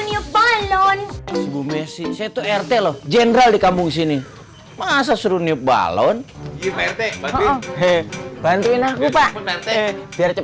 nyobalon bume si satu rt lo general dikabung sini masa suruh nyobalon bantuin aku pak biar